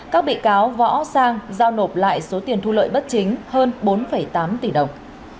các bị cáo võ sang giao nộp lại số tiền thu lợi bất chính hơn bốn tám tỷ đồng